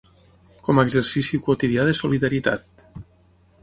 Com a exercici quotidià de solidaritat.